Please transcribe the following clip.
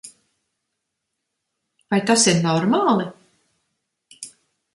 Vai tas ir normāli?